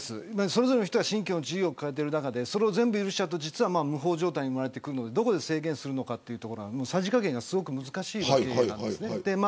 それぞれの人が信教の自由を抱えている中でそれを全部許してしまうと無法状態が生まれるのでどこで制限するかはさじ加減がすごく難しいんですね。